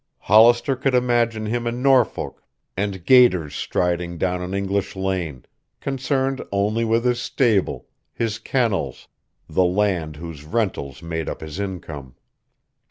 Hollister could imagine him in Norfolk and gaiters striding down an English lane, concerned only with his stable, his kennels, the land whose rentals made up his income.